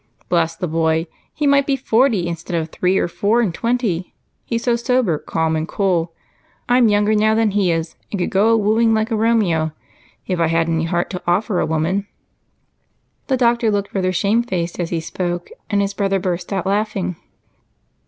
Bless the boy! He might be forty instead of three or four and twenty, he's so sober, calm, and cool. I'm younger than he is, and could go a wooing like a Romeo if I had any heart to offer a woman." The doctor looked rather shamefaced as he spoke, and his brother burst out laughing.